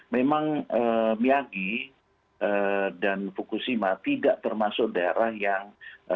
memang miyagi dan fukushima tidak termasuk daerah yang